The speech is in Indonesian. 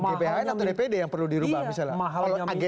gbhn atau dpd yang perlu dirubah misalnya